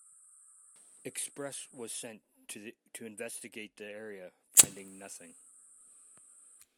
"Express" was sent to investigate the area, finding nothing.